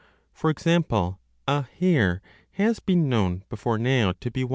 For example, a hare has been known before now 1 797^29.